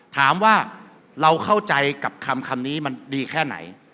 ถามว่าเราเข้าใจกับคำนี้มันดีแค่ไหน